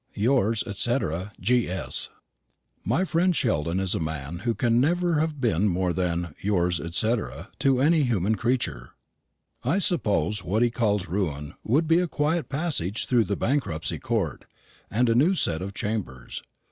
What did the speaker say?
"Yours, &c. G.S." My friend Sheldon is a man who can never have been more than "yours et cetera" to any human creature. I suppose what he calls ruin would be a quiet passage through the Bankruptcy Court, and a new set of chambers.